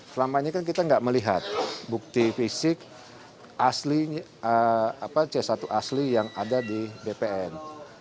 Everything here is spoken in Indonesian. selamanya kan kita enggak melihat bukti fisik c satu asli yang ada di bpn